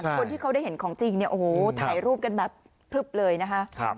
คนที่เขาได้เห็นของจริงเนี่ยโอ้โหถ่ายรูปกันแบบพลึบเลยนะคะ